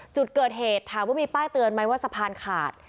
จุดเกิดเหตุถามว่ามีป้ายเตือนไหมว่าสะพานขาด